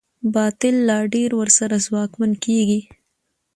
باطل لا ډېر ورسره ځواکمن کېږي.